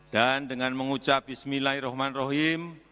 dan dengan mengucap bismillahirrahmanirrahim